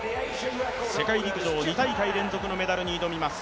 世界陸上２大会連続のメダルに挑みます。